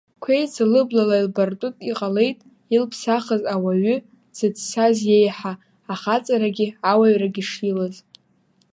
Қәеиза лыблала илбартәы иҟалеит илԥсахыз ауаҩы, дзыццаз иеиҳа, ахаҵарагьы ауаҩрагьы шилаз.